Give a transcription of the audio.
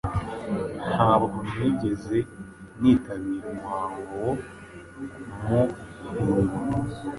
Ntabwo nigeze nitabira umuhango wo kumuhyingura